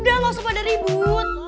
udah langsung pada ribut